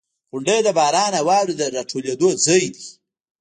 • غونډۍ د باران او واورې د راټولېدو ځای دی.